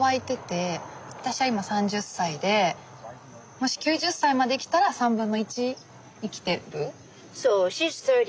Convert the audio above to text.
もし９０歳まで生きたら３分の１生きてる。